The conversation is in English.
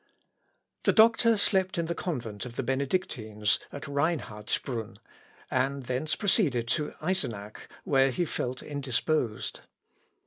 The doctor slept in the convent of the Benedictines, at Rheinhardsbrunn, and thence proceeded to Eisenach, where he felt indisposed.